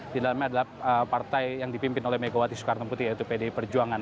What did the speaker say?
di dalamnya adalah partai yang dipimpin oleh megawati soekarno putri yaitu pdi perjuangan